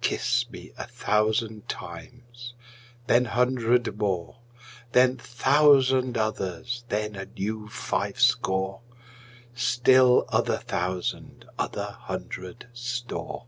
Kiss me a thousand times, then hundred more, Then thousand others, then a new five score, Still other thousand other hundred store.